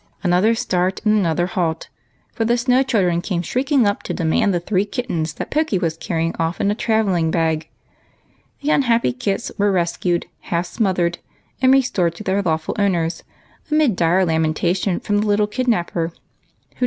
Another start, and another halt; for the Snow children came shrieking up to demand the three kittens that Pokey was coolly carrying off in a travelling bag. The unhappy kits were rescued, half smothered, and restored to their lawful owners, amid dire lamentation from the little kidnapper, who de 164 EIGHT COUSINS.